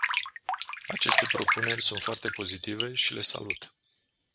Aceste propuneri sunt foarte pozitive și le salut.